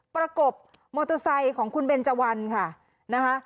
ประกบมอเตอร์ไซค์ของคุณเบนเจวันค่ะนะคะ